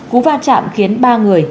cú va chạm khiến ba người